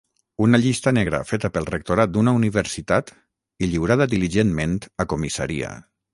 Una llista negra feta pel rectorat d’una universitat i lliurada diligentment a comissaria.